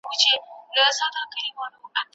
پښتو غواړي